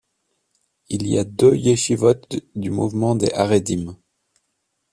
Il y a deux yeshivot du mouvement des haredim.